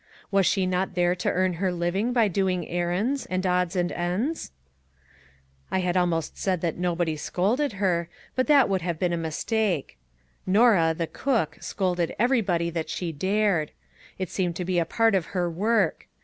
Was she not there to earn her living by doing errands, and odds and ends ? I had almost said that nobody scolded her; but that would have been a mistake ; Norah, the cook, scolded every body that she dared. It seemed to be a part of her work.